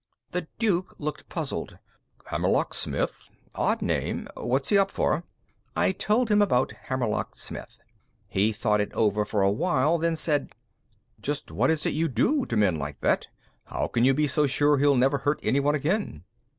The Duke looked puzzled. "Hammerlock Smith? Odd Name. What's he up for?" I told him about Hammerlock Smith. He thought it over for a while, then said: "Just what is it you do to men like that? How can you be so sure he'll never hurt anyone again?"